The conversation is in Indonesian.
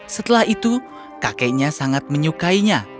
setelah itu kakeknya sangat menyukainya